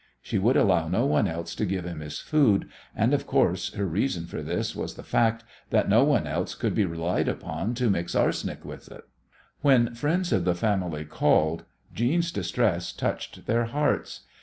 She would allow no one else to give him his food, and, of course, her reason for this was the fact that no one else could be relied upon to mix arsenic with it! When friends of the family called Jeanne's distress touched their hearts.